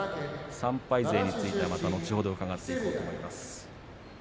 ３敗勢についてはまた後ほど伺っていこうと思います。